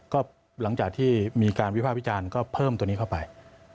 ก็หลังจากที่มีการวิภาควิจารณ์ก็เพิ่มตัวนี้เข้าไป